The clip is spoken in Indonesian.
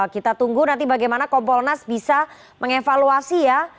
kita tunggu nanti bagaimana kompolnas bisa mengevaluasi ya